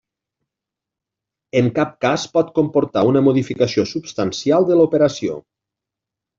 En cap cas pot comportar una modificació substancial de l'operació.